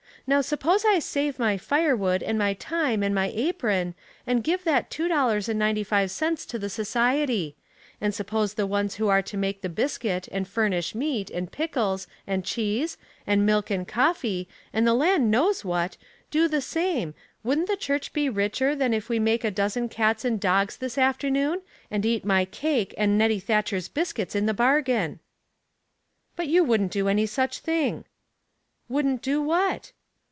Now suppose I save my firewood, and my time, and my apron, and give that two dollars and ninety five cents to the society ; and suppose the ones who are to make the biscuit, and furnish meat, and pickles, and cheese, and milk, and coffee, and the land knows what, do the same, wouldn't the church be richer than if we make a dozen cats and dogs this afternoon, and eat my cake and Nettie Thatcher's biscuits in the bargain." *'But you wouldn't do any such thing." "Wouldn't do what?"